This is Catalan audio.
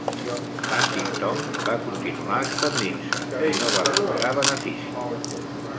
Huntington va continuar expandint-se i no va declarar beneficis.